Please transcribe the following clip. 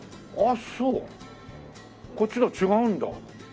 あっそうこっちとは違うんだ。